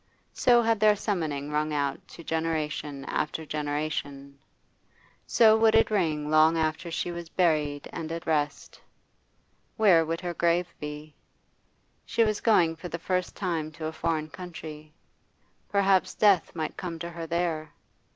So had their summoning rung out to generation after generation; so would it ring long after she was buried and at rest. Where would her grave be? She was going for the first time to a foreign country; perhaps death might come to her there.